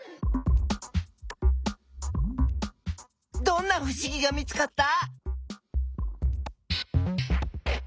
どんなふしぎが見つかった？